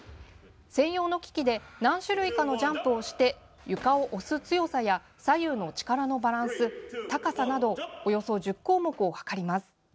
専用の機器で何種類かのジャンプをして床を押す強さや左右の力のバランス高さなどおよそ１０項目を測ります。